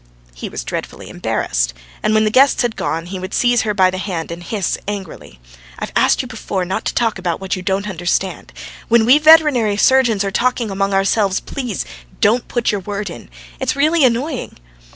He was dreadfully embarrassed, and when the guests had gone, he would seize her by the hand and hiss angrily: "I've asked you before not to talk about what you don't understand. When we veterinary surgeons are talking among ourselves, please don't put your word in. It's really annoying."